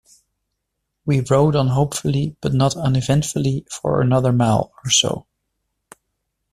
We rode on hopefully but uneventfully for another mile or so.